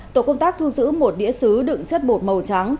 tổ công tác thu giữ một đĩa xứ đựng chất bột màu trắng